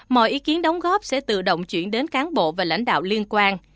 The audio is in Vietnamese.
mọi ý kiến đóng góp sẽ tự động chuyển đến cán bộ và lãnh đạo liên quan